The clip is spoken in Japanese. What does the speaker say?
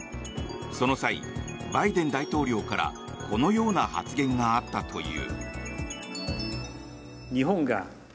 その際、バイデン大統領からこのような発言があったという。